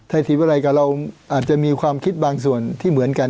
ทีวิรัยกับเราอาจจะมีความคิดบางส่วนที่เหมือนกัน